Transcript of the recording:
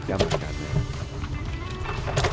jadi kita akan mencoba untuk mencoba